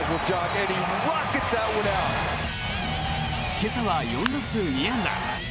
今朝は４打数２安打。